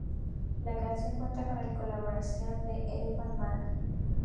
La canción cuenta con la colaboración de Elephant Man.